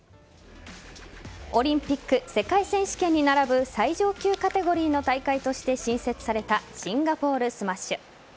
オリンピック、世界選手権に並ぶ最上級カテゴリーの大会として新設されたシンガポールスマッシュ。